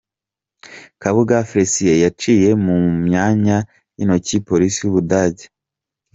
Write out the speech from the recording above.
Kabuga Félicien yaciye mu myanya y’intoki Polisi y’u Budage